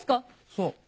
そう。